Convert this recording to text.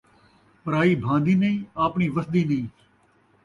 پرائی بھان٘دی نئیں آپݨی وَسدی نئیں